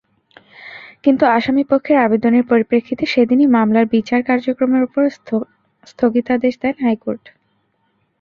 কিন্তু আসামিপক্ষের আবেদনের পরিপ্রেক্ষিতে সেদিনই মামলার বিচার কার্যক্রমের ওপর স্থগিতাদেশ দেন হাইকোর্ট।